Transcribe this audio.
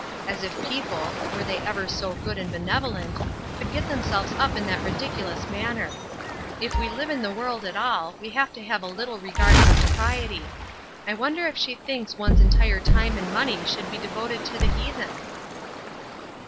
As if people, were they ever so good and benevolent, could get themselves up in that ridiculous manner! If we live in the world at all we have to have a little regard for propriety. I wonder if she thinks one's entire time and money should be devoted to the heathen?"